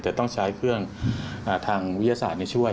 แต่ต้องใช้เครื่องทางวิทยาศาสตร์ช่วย